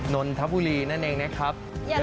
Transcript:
นนทบุรีนั่นเองนะครับ